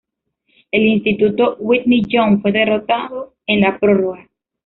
El instituto "Whitney Young" fue derrotado en la prórroga.